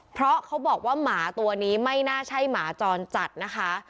เพราะเขาบอกว่าหมาตัวนี้ไม่น่าใช่หมาจรจัดนะคะ